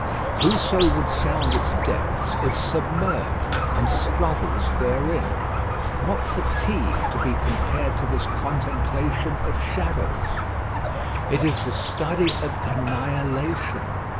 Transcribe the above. Whoso would sound its depths is submerged, and struggles therein. What fatigue to be compared to this contemplation of shadows. It is the study of annihilation.